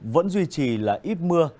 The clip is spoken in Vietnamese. vẫn duy trì là ít mưa